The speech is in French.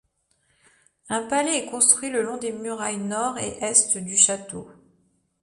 Un palais est construit le long des murailles nord et est du château.